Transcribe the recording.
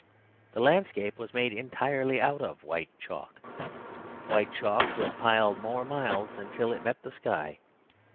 The landscape was made entirely out of white chalk. White chalk was piled more miles until it met the sky.